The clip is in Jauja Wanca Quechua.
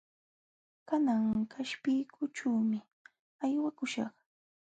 Kanan qaspiykuyćhuumi aywakuśhaq.